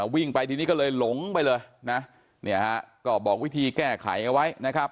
วิ่งไปทีนี้ก็เลยหลงไปเลยนะเนี่ยฮะก็บอกวิธีแก้ไขเอาไว้นะครับ